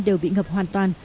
đều bị ngập hoàn toàn